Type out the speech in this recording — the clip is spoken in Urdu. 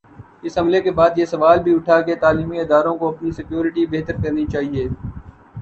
اس حملے کے بعد یہ سوال بھی اٹھا کہ تعلیمی اداروں کو اپنی سکیورٹی بہتر کرنی چاہیے۔